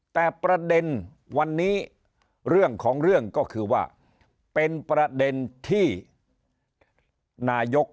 แต่ประเด็นวันนี้เรื่องของเรื่องก็คือว่าเป็นประเด็นที่นายก